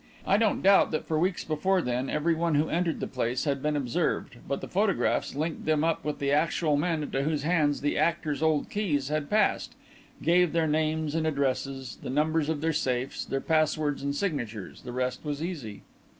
I don't doubt that for weeks before then everyone who entered the place had been observed, but the photographs linked them up with the actual men into whose hands the 'Actor's' old keys had passed gave their names and addresses, the numbers of their safes, their passwords and signatures. The rest was easy."